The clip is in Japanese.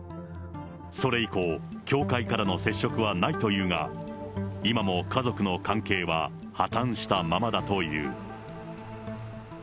それ以降、教会からの接触はないというが、今も家族の関係は破綻したままだという。